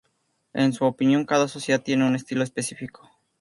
En su opinión, cada sociedad tiene un estilo específico.